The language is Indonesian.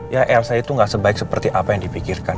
ya elsa itu nggak sebaik seperti apa yang dipikirkan